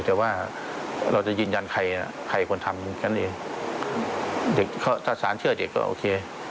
แต่ว่าเราจะยืนยันใครควรทำแบบนี้